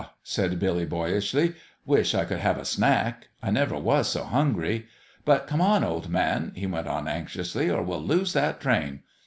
said Billy, boyishly. "Wish I could have a snack. I never was so hungry. But come on, old man," he went on, anxiously, " or we'll lose that train.